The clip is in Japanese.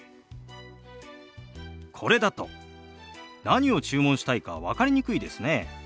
これだと何を注文したいか分かりにくいですね。